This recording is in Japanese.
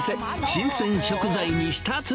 新鮮食材に舌鼓。